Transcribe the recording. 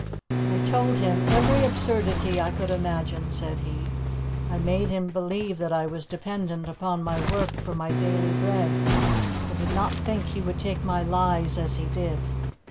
"I told him every absurdity I could imagine," said he. "I made him believe that I was dependent upon my work for my daily bread. I did not think he would take my lies as he did.